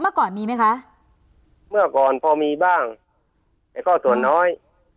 เมื่อก่อนมีไหมคะเมื่อก่อนพอมีบ้างแต่ก็ส่วนน้อย